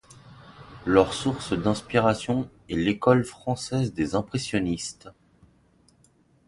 Leur source d’inspiration est l’École française des Impressionnistes.